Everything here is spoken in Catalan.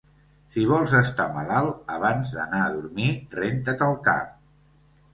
Si vols estar malalt, abans d'anar a dormir renta't el cap.